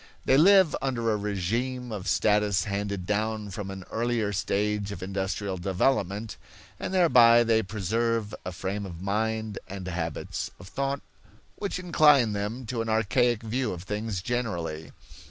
They live under a regime of status handed down from an earlier stage of industrial development, and thereby they preserve a frame of mind and habits of thought which incline them to an archaic view of things generally.